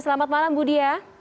selamat malam bu diah